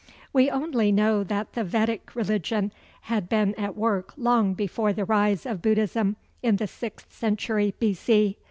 We only know that the Vedic religion had been at work long before the rise of Buddhism in the sixth century B.C.